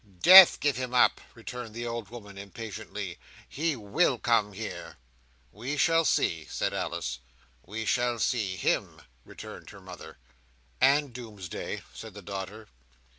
"Death give him up!" returned the old woman, impatiently. "He will come here." "We shall see," said Alice. "We shall see him," returned her mother. "And doomsday," said the daughter.